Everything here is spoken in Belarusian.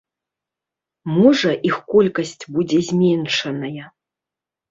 Можа, іх колькасць будзе зменшаная.